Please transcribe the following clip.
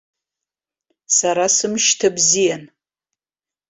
Сара сымшьҭа бзиан.